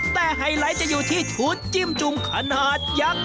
แต่ไฮไลท์จะอยู่ที่ชุดจิ้มจุ่มขนาดยักษ์